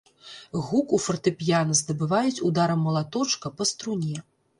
Гук у фартэпіяна здабываюць ударам малаточка па струне.